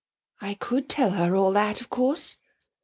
'I could tell her all that, of course.'